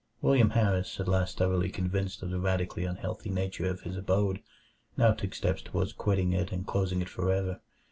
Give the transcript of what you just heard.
William Harris, at last thoroughly convinced of the radically unhealthful nature of his abode, now took steps toward quitting it and closing it for ever.